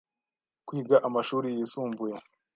kwiga amashuri yisumbuye,